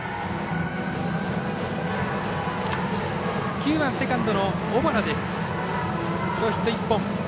９番セカンドの小原です。